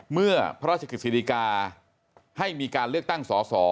เมื่อพระราชกฤษฎิกาให้มีการเลือกตั้งสอสอ